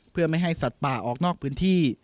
เพื่อไม่ให้สัตว์ป่าออกนอกพื้นที่